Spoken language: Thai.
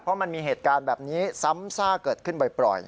เพราะมันมีเหตุการณ์แบบนี้ซ้ำซากเกิดขึ้นบ่อย